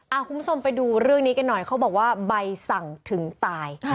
คุณผู้ชมไปดูเรื่องนี้กันหน่อยเขาบอกว่าใบสั่งถึงตาย